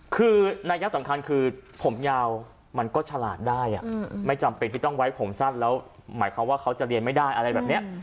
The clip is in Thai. คือนัยสำคัญคือผมยาวมันก็ฉลาดได้ไม่จำเป็นที่ต้องไว้ผมสั้นแล้วหมายความว่าเขาจะเรียนไม่ได้อะไรแบบนี้